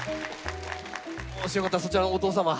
もしよかったらそちらのおとう様